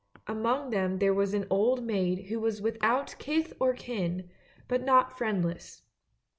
Among them there was an old maid who was without kith or kin, but not friendless.